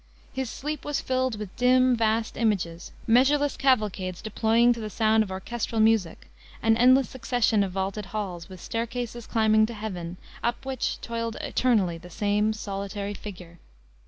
His sleep was filled with dim, vast images; measureless cavalcades deploying to the sound of orchestral music; an endless succession of vaulted halls, with staircases climbing to heaven, up which toiled eternally the same solitary figure.